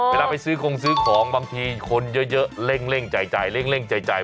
เวลาไปซื้อโครงซื้อของบางทีคนเยอะเล่งจ่าย